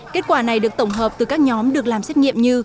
kết quả này được tổng hợp từ các nhóm được làm xét nghiệm như